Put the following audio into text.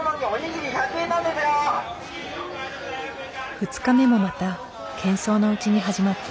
２日目もまたけん騒のうちに始まった。